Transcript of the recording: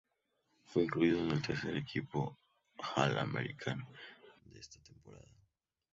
Fue incluido en el tercer equipo All-American de esa temporada.